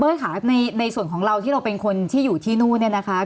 ค่ะในส่วนของเราที่เราเป็นคนที่อยู่ที่นู่นเนี่ยนะคะ